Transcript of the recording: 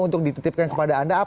untuk ditutupkan kepada anda